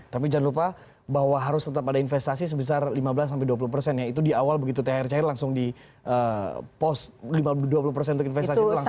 tapi jangan lupa bahwa harus tetap ada investasi sebesar lima belas dua puluh persen ya itu di awal begitu thr cair langsung di post dua puluh persen untuk investasi itu langsung